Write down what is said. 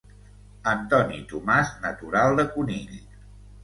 Antoni Tomàs, natural de Conill.